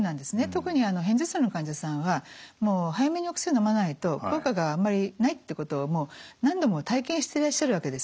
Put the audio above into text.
特に片頭痛の患者さんはもう早めにお薬のまないと効果があんまりないってことをもう何度も体験してらっしゃるわけですね。